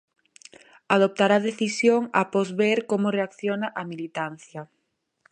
Adoptará a decisión após ver como reacciona a militancia.